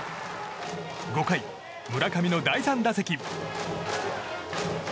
５回、村上の第３打席。